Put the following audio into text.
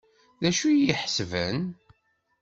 D acu ay iyi-iḥebsen?